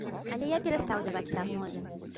Але я перастаў даваць прагнозы.